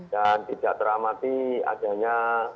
dan tidak teramati adanya